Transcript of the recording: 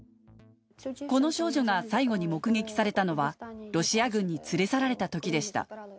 この少女が最後に目撃されたのは、ロシア軍に連れ去られたときでした。